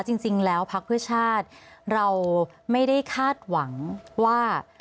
จริงแล้วพักเพื่อชาติเราไม่ได้คาดหวังว่า